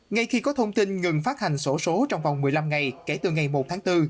ngay khi có thông tin ngừng phát hành sổ số trong vòng một mươi năm ngày kể từ ngày một tháng bốn